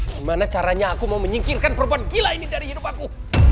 gimana caranya aku mau menyingkirkan perempuan gila ini dari hidup aku